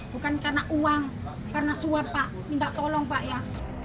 bukan karena uang karena suap pak minta tolong pak ya